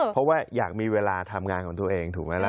เพราะว่าอยากมีเวลาทำงานของตัวเองถูกไหมล่ะ